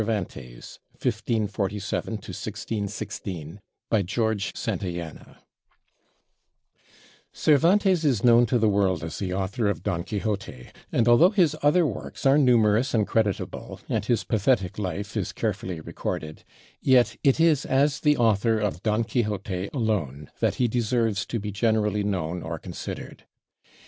[Signature: William Sharp & Ernest Rhys] CERVANTES (1547 1616) BY GEORGE SANTAYANA Cervantes is known to the world as the author of 'Don Quixote' and although his other works are numerous and creditable, and his pathetic life is carefully recorded, yet it is as the author of 'Don Quixote' alone that he deserves to be generally known or considered.